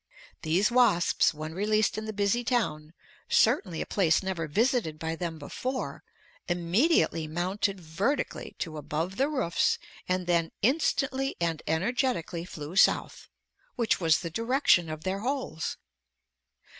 These wasps when released in the busy town, certainly a place never visited by them before, immediately mounted vertically to above the roofs and then instantly and energetically flew south, which was the direction of their holes.